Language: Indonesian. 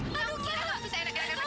kamu kira kamu bisa enak enakan pacaran ini